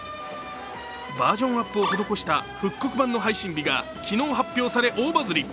バージョンアップを施した復刻版の配信日が昨日発表され大バズり。